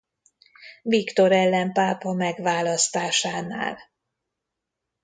Viktor ellenpápa megválasztásánál.